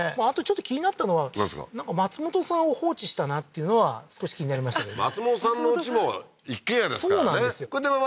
あとちょっと気になったのはなんか松本さんを放置したなっていうのは少し気になりましたけど松本さんのうちも一軒家ですからね